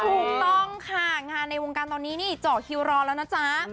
ถูกต้องค่ะงานในวงการตอนนี้นี่เจาะคิวรอแล้วนะจ๊ะ